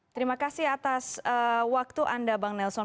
terima kasih atas waktu anda bang nelson